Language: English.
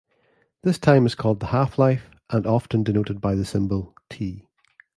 This time is called the "half-life", and often denoted by the symbol "t".